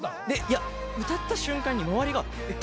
いや歌った瞬間に周りが。